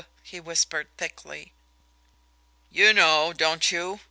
he whispered thickly. "You know, don't you?"